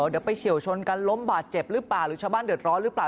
เดี๋ยวไปเฉียวชนกันล้มบาดเจ็บหรือเปล่าหรือชาวบ้านเดือดร้อนหรือเปล่า